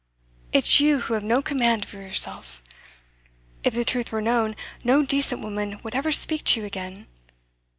It's you who have no command over yourself. If the truth were known, no decent woman would ever speak to You again.